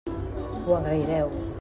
Ho agraireu.